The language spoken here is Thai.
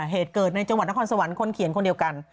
เหตุเกิดในจังหวัดนครสวรรค์คนเขียนคนเดียวกัน